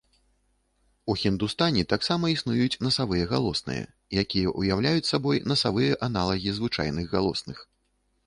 У хіндустані таксама існуюць насавыя галосныя, якія ўяўляюць сабою насавыя аналагі звычайных галосных.